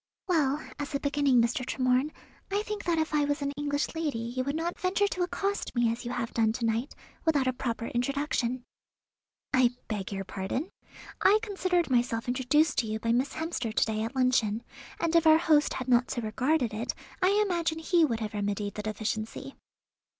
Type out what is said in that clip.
"Well, as a beginning, Mr. Tremorne, I think that if I was an English lady you would not venture to accost me as you have done to night, without a proper introduction." "I beg your pardon. I considered myself introduced to you by Miss Hemster to day at luncheon; and if our host had not so regarded it, I imagine he would have remedied the deficiency."